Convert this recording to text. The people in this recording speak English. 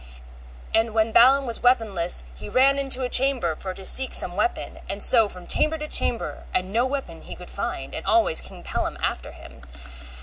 And when Balin was weaponless he ran into a chamber for to seek some weapon, and so from chamber to chamber, and no weapon he could find, and always King Pellam after him.